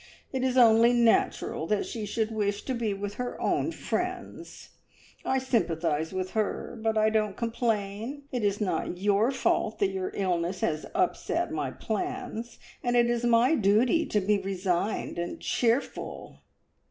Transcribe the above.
It is only natural that she should wish to be with her own friends. I sympathise with her, but I don't complain. It is not your fault that your illness has upset my plans, and it is my duty to be resigned and cheerful."